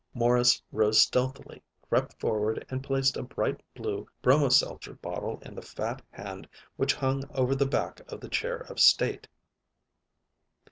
Morris rose stealthily, crept forward, and placed a bright blue bromo seltzer bottle in the fat hand which hung over the back of the chair of state.